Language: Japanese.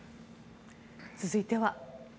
続いては。